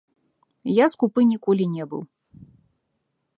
Я скупы ніколі не быў.